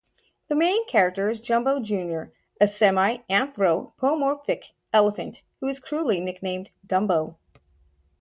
The main character is Jumbo Junior a semi-anthropomorphic elephant who is cruelly nicknamed "Dumbo".